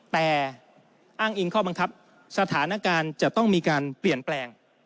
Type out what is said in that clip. แต่อ้างอิงข้อบังคับสถานการณ์จะต้องมีการเปลี่ยนแปลง